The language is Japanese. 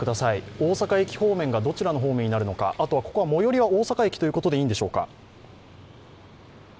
大阪駅方面がどちらか、あとはここは最寄りは大阪駅ということでいいんでしょうか。